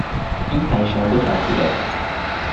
این پنج شنبه تعطیلات است.